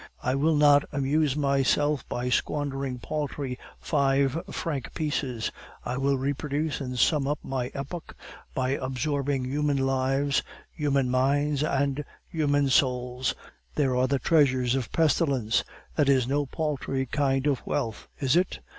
I will not amuse myself by squandering paltry five franc pieces; I will reproduce and sum up my epoch by absorbing human lives, human minds, and human souls. There are the treasures of pestilence that is no paltry kind of wealth, is it?